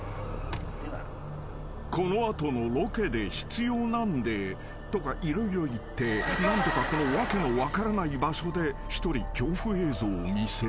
［この後のロケで必要なんでとか色々言って何とかこの訳の分からない場所で一人恐怖映像を見せる］